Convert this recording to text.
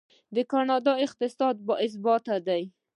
د کاناډا اقتصاد باثباته دی.